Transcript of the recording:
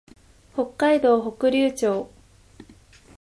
北海道北竜町